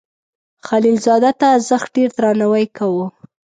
خلیل زاده ته زښت ډیر درناوی کاو.